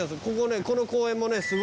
ここねこの公園もね